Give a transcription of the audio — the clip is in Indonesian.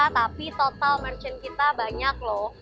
tapi total merchant kita banyak loh